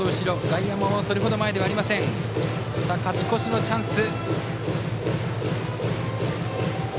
さあ勝ち越しのチャンス。